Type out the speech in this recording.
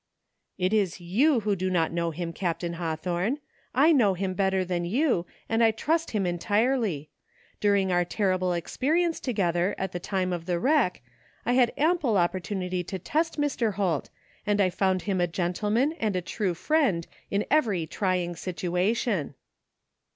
" It is you who do not know him. Captain Haw thorne. I know him better than you, and I trust him entirely. During our terrible experience together at the time of the wreck I had ample opportunity to test 169 ii THE FINDmG OP JASPER HOLT Mr. Holt, and I found him a gentleman and a true friend in every trying situation."